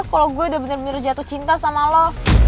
kalau gue udah bener bener jatuh cinta sama lo